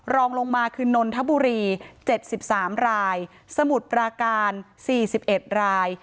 รองลงมาคือนนทบุรี๗๓รายสมุทรปราการ๔๑ราย